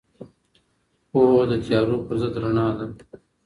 پوهه د تیارو پر ضد رڼا ده.